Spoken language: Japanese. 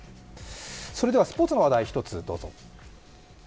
それではスポーツの話題、一つどうぞ。